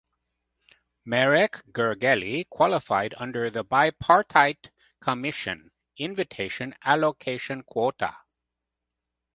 Marek Gergely qualified under the bipartite commission invitation allocation quota.